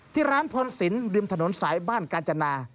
ที่ร้านพรสินริมถนนสายบ้านกาญจนา